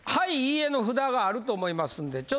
「いいえ」の札があると思いますんで。